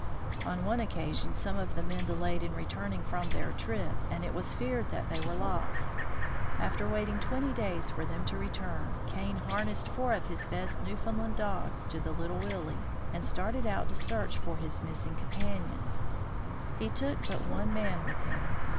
On one occasion some of the men delayed in returning from their trip, and it was feared that they were lost. After waiting twenty days for them to return, Kane har nessed four of his best Newfoundland dogs to the " Little Willie " and started out to search for his missing compan ions. He took but one man with him.